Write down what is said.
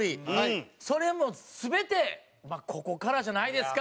それも全てここからじゃないですか？